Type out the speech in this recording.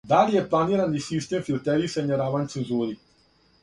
Да ли је планирани систем филтерисања раван цензури?